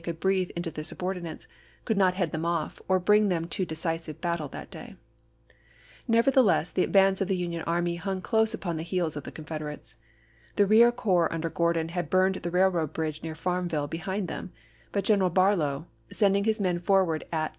could breathe into their subordinates, could not head them off, or bring them to decisive battle that day. Nevertheless the advance of the Union army hung close upon the heels of the Confederates. The rear corps under Gordon had burned the rail road bridge near Farmville behind them; but General Barlow, sending his men forward at api.